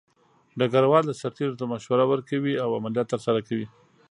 ډګروال د سرتیرو ته مشوره ورکوي او عملیات ترسره کوي.